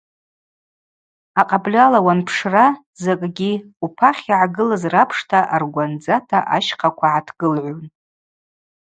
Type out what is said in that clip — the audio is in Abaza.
Акъабльала уанпшра, закӏгьи, упахь йгӏагылыз рапшта аргвандзата ащхъаква гӏатгылгӏун.